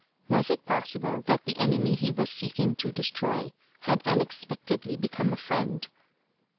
Was it possible that the enemy he was seeking to destroy had unexpectedly become a friend